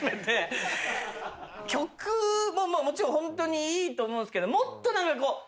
曲ももちろんホントにいいと思うんですけどもっとなんかこう。